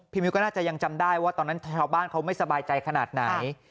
มิวก็น่าจะยังจำได้ว่าตอนนั้นชาวบ้านเขาไม่สบายใจขนาดไหน